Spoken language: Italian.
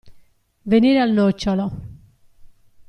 Venire al nocciolo.